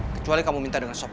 kecuali kamu minta dengan sop